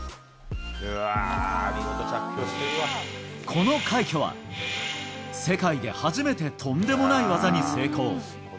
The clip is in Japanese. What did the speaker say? この快挙は、世界で初めてとんでもない技に成功。